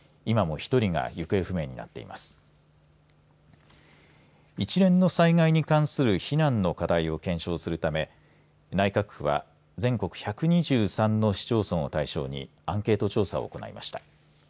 一連の災害に関する避難の課題を検証するため内閣府は全国１２３の市町村を対象にアンケート調査を行いました。